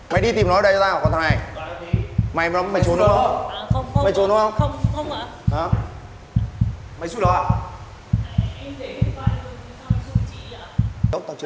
mày đưa ra xuống còn mày ngồi lại đây với tao